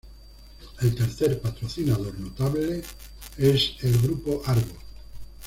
El tercer patrocinador notable es el Grupo Argo.